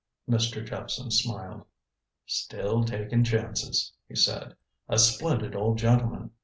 Mr. Jephson smiled. "Still taking chances," he said. "A splendid old gentleman.